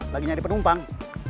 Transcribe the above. lagi nyari penumpang